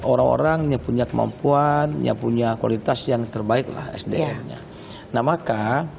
orang orangnya punya kemampuan yang punya kualitas yang terbaik lah sdm nya nah maka